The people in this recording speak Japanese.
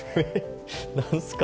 何ですか？